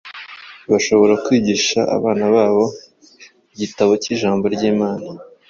bashobora kwigisha abana babo igitabo cy’ijambo ry’Imana